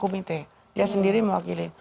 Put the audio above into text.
komite dia sendiri mewakili